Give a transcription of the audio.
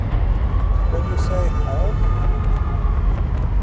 What do you say, Harold?